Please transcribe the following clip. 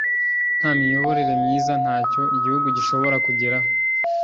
nta miyoborere myiza nta cyo igihugu gishobora kugeraho